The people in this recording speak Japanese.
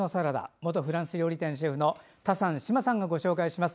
元フランス料理店シェフのタサン志麻さんがご紹介します。